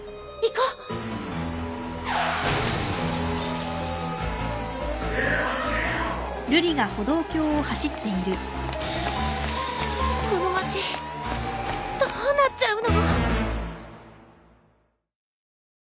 この街どうなっちゃうの。